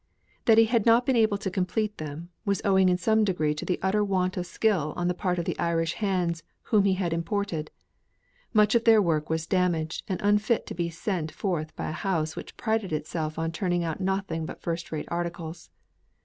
That he had not been able to complete them, was owing in some degree to the utter want of skill on the part of the Irish hands whom he had imported; much of their work was damaged and unfit to be sent forth by a house which prided itself on turning out nothing but first rate articles.